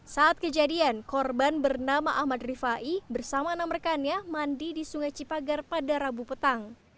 saat kejadian korban bernama ahmad rifai bersama enam rekannya mandi di sungai cipagar pada rabu petang